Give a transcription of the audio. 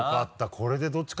これでどっちか×